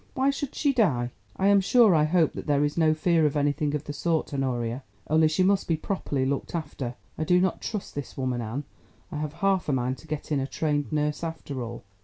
Why should she die?" "I am sure I hope that there is no fear of anything of the sort, Honoria. Only she must be properly looked after. I do not trust this woman Anne. I have half a mind to get in a trained nurse after all."